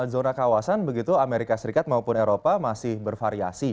zona kawasan begitu amerika serikat maupun eropa masih bervariasi